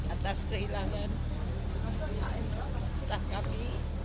atas kehilangan staf kami